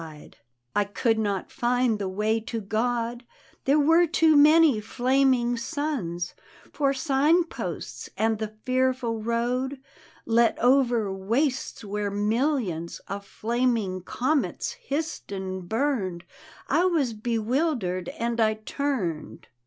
D,gt,, erihyGOOgle ■ The Ghost " I could not Had the way to God ; There were too many flaming suns For signposts, and the fearful road Led over wastes where millions Of flaming comets hissed and burned— I was bewildered and I turned.